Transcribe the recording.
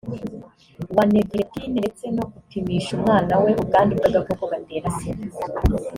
wa nevirepine ndetse no gupimisha umwana we ubwandu bw agakoko gatera sida